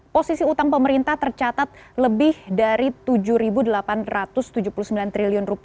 posisi utang pemerintah tercatat lebih dari rp tujuh delapan ratus tujuh puluh sembilan triliun